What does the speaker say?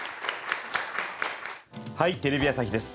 『はい！テレビ朝日です』